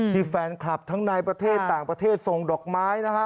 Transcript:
ที่แฟนคลับทั้งในประเทศต่างประเทศส่งดอกไม้นะฮะ